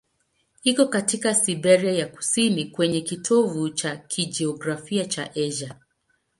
Iko katika Siberia ya kusini, kwenye kitovu cha kijiografia cha Asia.